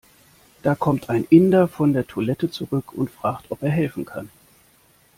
Da kommt ein Inder von der Toilette zurück und fragt, ob er helfen kann.